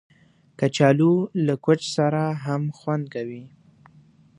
کچالو له کوچ سره هم خوند کوي